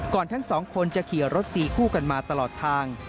ก่อนทั้ง๒คนจะขี่รถตีกลัวกันมาตลอดทาง